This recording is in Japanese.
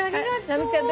直美ちゃん